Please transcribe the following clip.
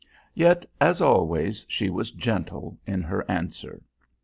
Yet, as always, she was gentle in her answer.